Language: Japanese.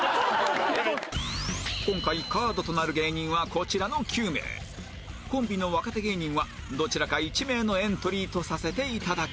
今回カードとなる芸人はこちらの９名コンビの若手芸人はどちらか１名のエントリーとさせて頂きます